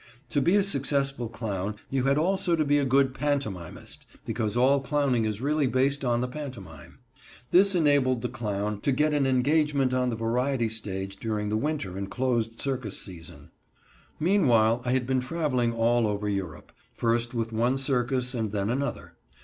To be a successful clown you had also to be a good pantomimist, because all clowning is really based on the pantomime. This enabled the clown to get an engagement on the variety stage during the winter and closed circus season. Meanwhile I had been traveling all over Europe, first with one circus and then another.